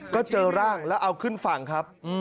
ก็เจอร่างแล้วเอาขึ้นฝั่งครับ